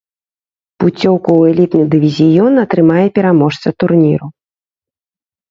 Пуцёўку ў элітны дывізіён атрымае пераможца турніру.